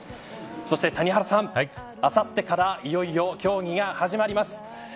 そして、谷原さんあさってからいよいよ競技が始まります。